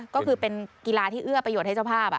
ก็คือเป็นกีฬาที่เอื้อประโยชน์ให้เจ้าภาพ